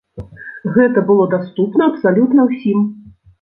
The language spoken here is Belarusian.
Гэта было даступна абсалютна ўсім.